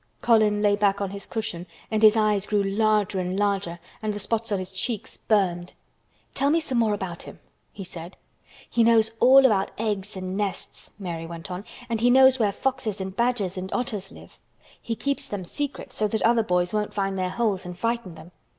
Colin lay back on his cushion and his eyes grew larger and larger and the spots on his cheeks burned. "Tell me some more about him," he said. "He knows all about eggs and nests," Mary went on. "And he knows where foxes and badgers and otters live. He keeps them secret so that other boys won't find their holes and frighten them.